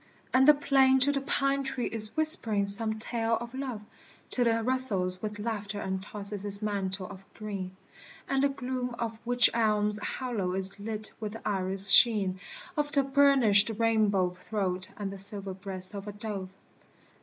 And the plane to the pine tree is whispering some tale of love Till it rustles with laughter and tosses its mantle of green, m And the gloom of the wych elm's hollow is lit with the iris sheen Of the burnished rainbow throat and the silver breast of a dove.